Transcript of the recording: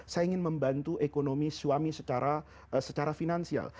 saya ingin membantu ekonomi suami secara finansial